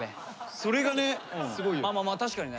それがねすごいよね。